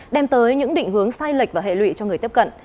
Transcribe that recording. đem tới những định hướng sai lệch và hệ lụy cho người tiếp cận